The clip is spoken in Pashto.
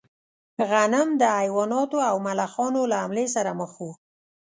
غنم د حیواناتو او ملخانو له حملې سره مخ و.